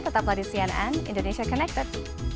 tetap lagi cnn indonesia connected